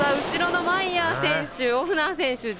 後ろのマイヤー選手オフナー選手